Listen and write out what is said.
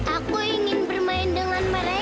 aku ingin bermain dengan mereka ya